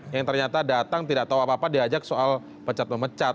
yang ternyata datang tidak tahu apa apa diajak soal pecat memecat